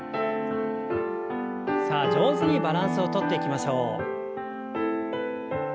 さあ上手にバランスをとっていきましょう。